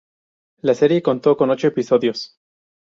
La serie contó con ocho episodios.